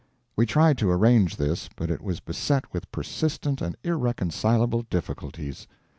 We tried to arrange this, but it was beset with persistent and irreconcilable difficulties.